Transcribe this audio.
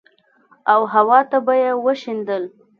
او هوا ته به يې وشيندل.